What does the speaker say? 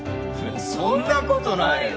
そんなことないよ。